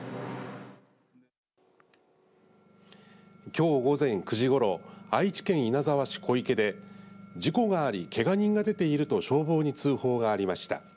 きょう午前９時ごろ愛知県稲沢市小池で事故があり、けが人が出ていると消防に通報がありました。